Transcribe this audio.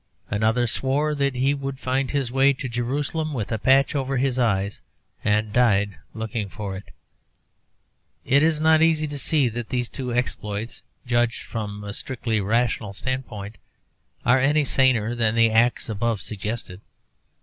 Another swore that he would find his way to Jerusalem with a patch over his eyes, and died looking for it. It is not easy to see that these two exploits, judged from a strictly rational standpoint, are any saner than the acts above suggested.